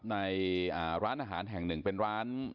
ในร้านอาหารแห่งหนึ่งเป็นร้าน